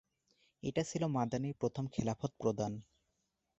এটা ছিল মাদানির প্রথম খেলাফত প্রদান।